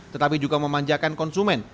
tetapi juga memanjakan konsumen